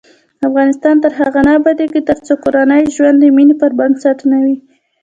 افغانستان تر هغو نه ابادیږي، ترڅو کورنی ژوند د مینې پر بنسټ نه وي.